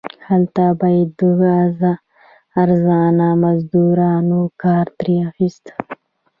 هلته به یې د ارزانه مزدورانو کار ترې اخیست.